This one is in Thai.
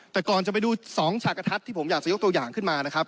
แต่ก่อนจะไปดู๒ฉากกระทัดที่ผมอยากจะยกตัวอย่างขึ้นมานะครับ